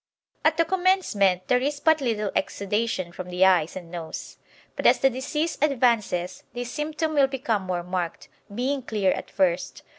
At the commencement there is but little exudation from the eyes and nose, but as the disease advances this symptom will become more marked, being clear at first.